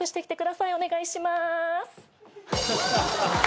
お願いしまーす。